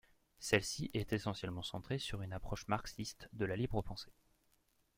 Celle-ci est essentiellement centrée sur une approche marxiste de la libre-pensée.